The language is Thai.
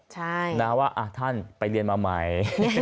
แล้วว่าท่านไปเรียนมาใหม่